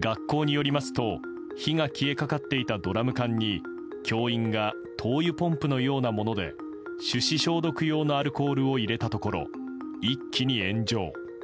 学校によりますと火が消えかかっていたドラム缶に教員が灯油ポンプのようなもので手指消毒用のアルコールを入れたところ、一気に炎上。